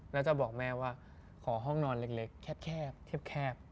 แล้วจะบอกแม่ว่าขอห้องนอนเล็กแคบ